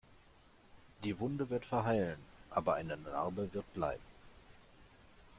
Die Wunde wird verheilen, aber eine Narbe wird bleiben.